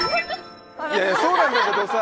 いやいや、そうなんだけどさ！